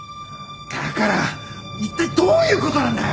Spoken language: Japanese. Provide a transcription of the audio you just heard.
だからいったいどういうことなんだよ！？